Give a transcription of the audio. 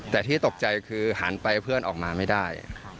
แต่ที่ตกใจคือหันไปเพื่อนออกมาไม่ได้